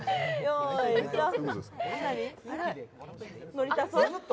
乗りたそう？